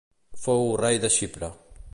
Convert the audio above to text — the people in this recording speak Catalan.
Fou rei a Xipre.